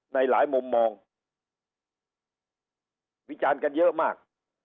ในหลายมุมมองวิจารณ์กันเยอะมาก